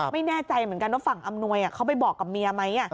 ไม่แน่ใจเหมือนกันว่าฝั่งอำนวยเขาไปบอกกับเมียไหม